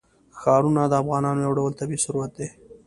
ښارونه د افغانستان یو ډول طبعي ثروت دی.